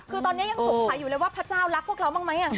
คือตอนนี้ยังสงสัยอยู่เลยว่าพระเจ้ารักพวกเราบ้างไหม